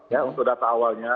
ya untuk data awalnya